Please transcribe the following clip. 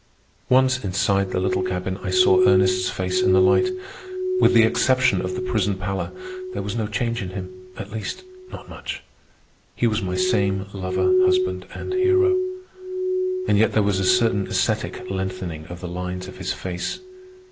Once inside the little cabin, I saw Ernest's face in the light. With the exception of the prison pallor, there was no change in him—at least, not much. He was my same lover husband and hero. And yet there was a certain ascetic lengthening of the lines of his face.